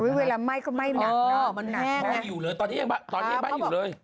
เพราะเวลาไหม้ก็ไหม้หนักเนอะมันแน่งตอนนี้ยังไหม้อยู่เลย